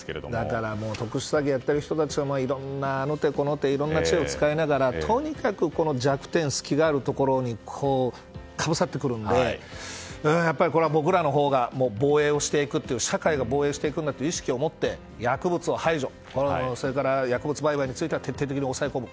だから特殊詐欺をやってる人たちはあの手この手のいろんな知恵を使いながらとにかく弱点、隙があるところにかぶさってくるのでやっぱり、これは僕らのほうが防衛をしていく社会が防衛していくんだという意識を持って薬物を排除それから薬物売買については徹底的に抑え込む。